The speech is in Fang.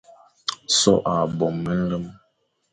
So a bo me nlem,